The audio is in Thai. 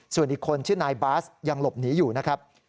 ส่วนอีกคนชื่อนายบาสยังหลบหนีอยู่นะครับ